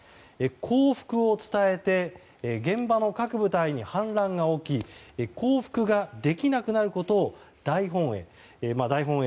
降伏を伝えて現場の各部隊に反乱が起き降伏ができなくなることを大本営。